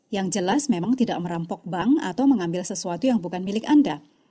yang jelas memang tidak merampok bank atau mengambil sesuatu yang bukan milik anda